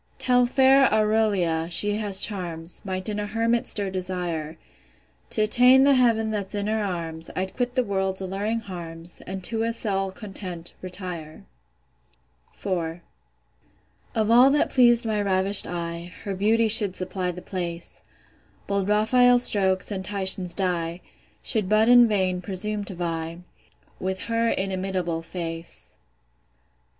Tell fair AURELIA, she has charms, Might in a hermit stir desire. T' attain the heav'n that's in her arms, I'd quit the world's alluring harms, And to a cell content, retire. IV. Of all that pleas'd my ravish'd eye, Her beauty should supply the place; Bold Raphael's strokes, and Titian's dye, Should but in vain presume to vie With her inimitable face.